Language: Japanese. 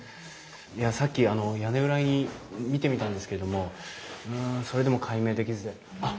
いやさっき屋根裏見てみたんですけれどもうんそれでも解明できずであっ。